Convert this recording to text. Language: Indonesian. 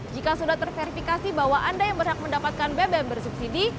jika sudah terverifikasi bahwa anda yang berhak mendapatkan bbm bersubsidi